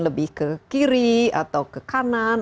lebih ke kiri atau ke kanan